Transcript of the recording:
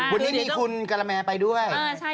วันนี้มีคุณกะละแมไปด้วย